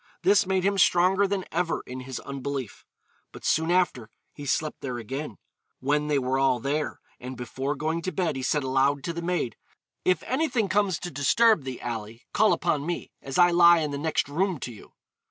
This made him stronger than ever in his unbelief. But soon after he slept there again, when they were all there, and before going to bed he said aloud to the maid, 'If anything comes to disturb thee, Ally, call upon me, as I lie in the next room to you.'